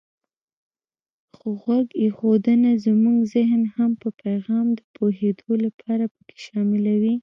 خو غوږ ایښودنه زمونږ زهن هم په پیغام د پوهېدو لپاره پکې شاملوي.